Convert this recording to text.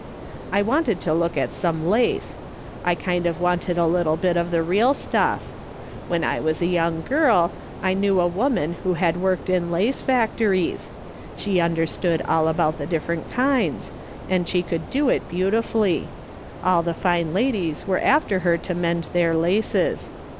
I wanted to look at some lace ; I kind of wanted a little bit of the real stuff. When I was a young girl I knew a woman who had worked in lace factories ; she understood all about the different kinds, and she could do it beauti fully ; all the fine ladies were after her to mend their laces.